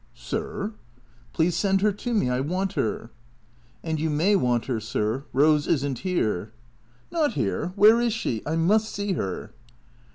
"Sir?" " Please send her to me. I want her." " And you may want her, sir. Eose is n't here." " Not here ? Where is she ? I must see her."